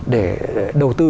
để đầu tư